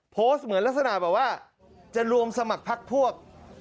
โพสต์เหมือนลักษณะแบบว่าจะรวมสมัครพักพวก